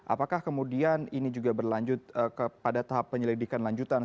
apakah kemudian ini juga berlanjut kepada tahap penyelidikan lanjutan